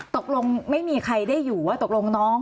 ตกลงไม่มีใครได้อยู่ว่าตกลงน้อง